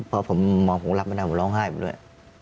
เพราะฮังไม่รับไม่ได้ผมร้องไห้เลย